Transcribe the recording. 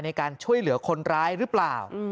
ในการช่วยเหลือคนร้ายหรือเปล่า